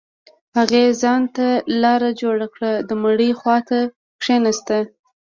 هغې ځان ته لاره جوړه كړه د مړي خوا ته كښېناسته.